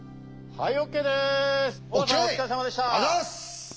はい。